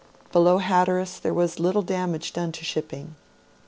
Below Hatteras there was little damage done to shipping.